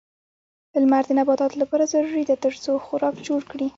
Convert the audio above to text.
لمر د نباتاتو لپاره ضروري ده ترڅو خوراک جوړ کړي.